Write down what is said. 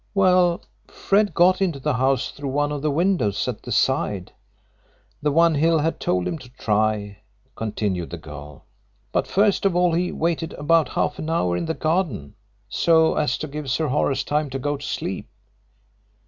"Well, Fred got into the house through one of the windows at the side the one Hill had told him to try," continued the girl. "But first of all he waited about half an hour in the garden, so as to give Sir Horace time to go to sleep.